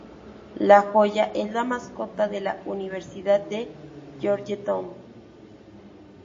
La Hoya es la mascota de la Universidad de Georgetown.